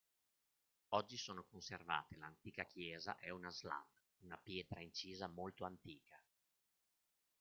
Oggi sono conservate l'antica chiesa e una "slab", una pietra incisa molto antica.